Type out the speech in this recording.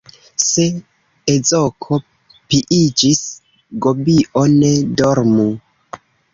Se ezoko piiĝis, gobio ne dormu.